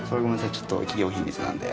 ちょっと企業秘密なんで。